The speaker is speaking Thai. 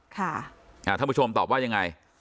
ท่านผู้ชมตอบว่ายังไง